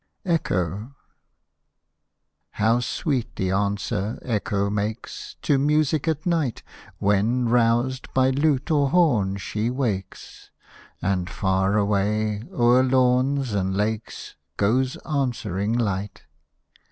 ECHO How sweet the answer Echo makes To music at night, When, roused by lute or horn, she wakes, And far away, o'er lawns and lakes, Goes answering light.